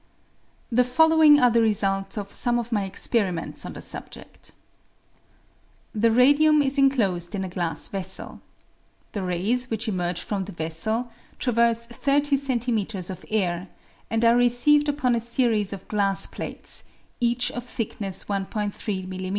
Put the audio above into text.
The following are the results of some of my experiments on the subjed ;— The radium is enclosed in a glass ves:el. The rays, which emerge from the vessel, traverse 30 cm. of air, and are received upon a series of glass plates, each of thickness 1 3 m.m.